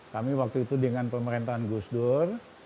kami waktu itu dengan pemerintahan gusdur